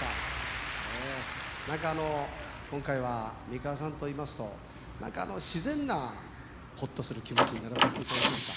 ねえ何かあの今回は美川さんといいますと何かあの自然なほっとする気持ちにならさせていただきました。